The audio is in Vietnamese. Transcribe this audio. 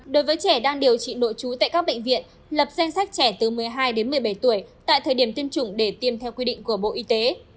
đối với trẻ đang điều trị nội trú tại các bệnh viện lập danh sách trẻ từ một mươi hai đến một mươi bảy tuổi tại thời điểm tiêm chủng để tiêm theo quy định của bộ y tế